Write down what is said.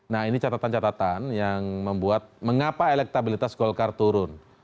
nah ini catatan catatan yang membuat mengapa elektabilitas golkar turun